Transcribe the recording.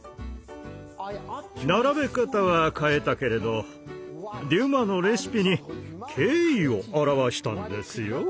並べ方は変えたけれどデュマのレシピに敬意を表したんですよ。